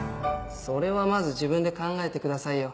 それはまず自分で考えてくださいよ。